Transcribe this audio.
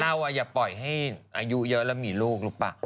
เราอย่าปล่อยให้อายุเยอะแล้วมีลูกหรือเปล่า